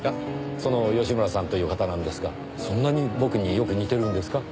その吉村さんという方なんですがそんなに僕によく似てるんですか？